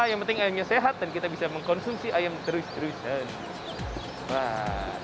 yang penting ayamnya sehat dan kita bisa mengkonsumsi ayam terus terusan